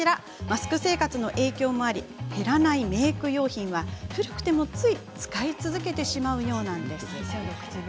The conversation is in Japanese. マスク生活の影響もあって減らないメーク用品は古くても、つい使い続けてしまうようです。